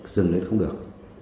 dừng lên không được